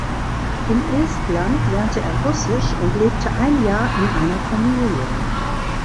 In Estland lernte er Russisch und lebte ein Jahr in einer Familie.